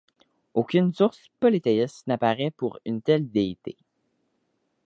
Aucune source polythéiste n’apparaît pour une telle déité.